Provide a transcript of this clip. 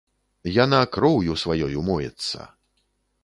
Яна кроўю сваёй умоецца.